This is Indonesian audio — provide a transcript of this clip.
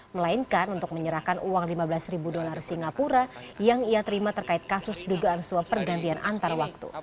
melainkan untuk menyerahkan uang lima belas ribu dolar singapura yang ia terima terkait kasus dugaan suap pergantian antar waktu